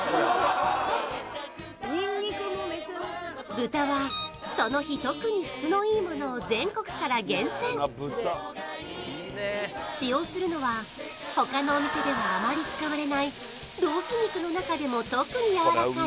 豚はその日特に質のいいものを全国から厳選使用するのは他のお店ではあまり使われないロース肉の中でも特にやわらかい